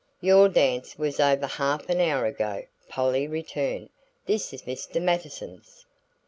"Your dance was over half an hour ago," Polly returned. "This is Mr. Mattison's."